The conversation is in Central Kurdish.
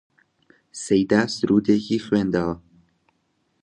سەیدا سروودێکی خوێندەوە: